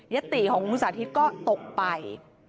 ติของคุณสาธิตก็ตกไป